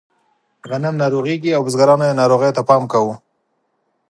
غنم ناروغېږي او بزګرانو یې ناروغیو ته پام کاوه.